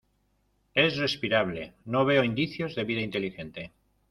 Es respirable. No veo indicios de vida inteligente .